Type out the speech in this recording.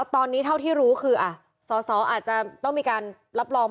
ตอนนี้เท่าที่รู้คือสอสออาจจะต้องมีการรับรอง